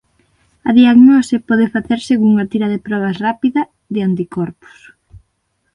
A diagnose pode facerse cunha tira de probas rápida de anticorpos.